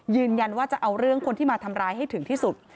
ยืนยันว่าจะเอาเรื่องคนที่มาทำร้ายให้ถึงที่สุด